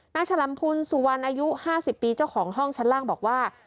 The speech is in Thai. ฉลำพูลสุวรรณอายุ๕๐ปีเจ้าของห้องชั้นล่างบอกว่า